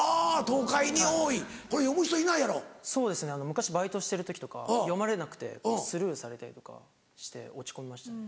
昔バイトしてる時とか読まれなくてスルーされたりとかして落ち込みましたね。